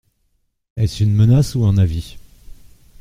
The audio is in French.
Est-ce une menace ou un avis ?